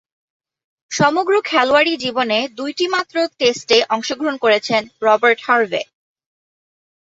সমগ্র খেলোয়াড়ী জীবনে দুইটিমাত্র টেস্টে অংশগ্রহণ করেছেন রবার্ট হার্ভে।